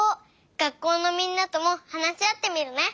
学校のみんなともはなしあってみるね。